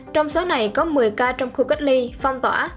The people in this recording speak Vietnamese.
trong số này có một mươi ca trong khu cách ly phong tỏa